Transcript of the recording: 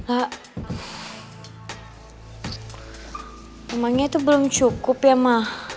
ah namanya tuh belum cukup ya ma